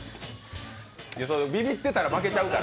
ビビってたら負けちゃうから。